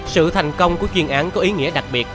sự thành công của chuyên án có ý nghĩa đặc biệt